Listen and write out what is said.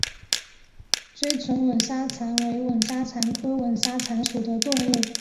锥唇吻沙蚕为吻沙蚕科吻沙蚕属的动物。